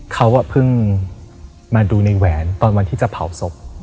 เขาเพิ่งมาดูในแหวนตอนวันที่จะเผาศพ